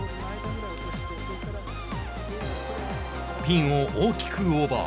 ピンを大きくオーバー。